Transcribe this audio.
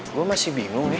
gue masih bingung deh